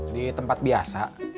di tempat biasa